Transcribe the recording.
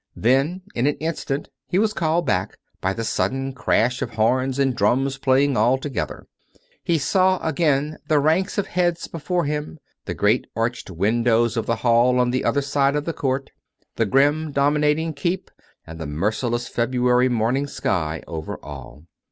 Then, in an instant, he was called back, by the sudden crash of horns and drums playing all together. He saw again the ranks of heads before him: the great arched windows of the hall on the other side of the court, the grim dominating keep, and the merciless February morning sky over all.